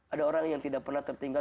ada orang yang tidak pernah tertinggal